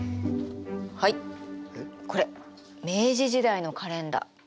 はいこれ明治時代のカレンダー。